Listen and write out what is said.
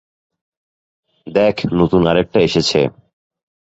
দেখ নতুন আরেকটা এসেছে।